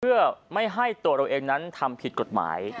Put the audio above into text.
เพื่อไม่ให้ตัวเราเองนั้นทำผิดกฎหมาย